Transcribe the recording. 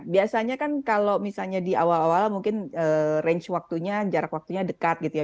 biasanya kan kalau misalnya di awal awal mungkin range waktunya jarak waktunya dekat gitu ya